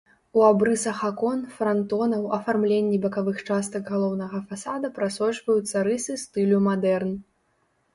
У абрысах акон, франтонаў, афармленні бакавых частак галоўнага фасада прасочваюцца рысы стылю мадэрн.